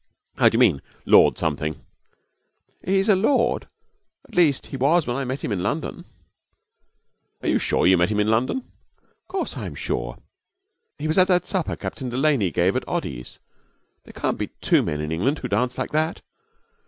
'How do you mean, "Lord something"?' 'He's a lord at least, he was when I met him in London.' 'Are you sure you met him in London?' 'Of course I'm sure. He was at that supper Captain Delaney gave at Oddy's. There can't be two men in England who dance like that!'